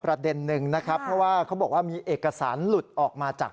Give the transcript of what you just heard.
หนึ่งนะครับเพราะว่าเขาบอกว่ามีเอกสารหลุดออกมาจาก